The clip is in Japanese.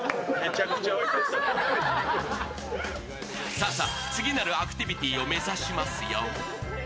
さあさ、次なるアクティビティーを目指しますよ。